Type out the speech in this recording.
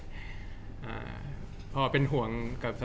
จากความไม่เข้าจันทร์ของผู้ใหญ่ของพ่อกับแม่